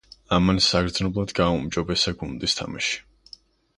ამან საგრძნობლად გააუმჯობესა გუნდის თამაში.